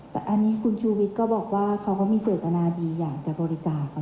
แต่อันนี้คุณชูวิทย์ก็บอกว่าเขาก็มีเจตนาดีอยากจะบริจาค